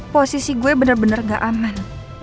posisi gue bener bener gak aman